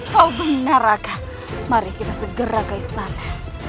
kau benar kakak mari kita segera ke istana